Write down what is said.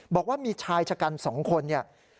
บอกว่ามีชายชะกัน๒คนเนี่ย